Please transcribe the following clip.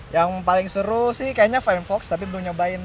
yang paling seru sih kayaknya flying fox tapi belum nyobain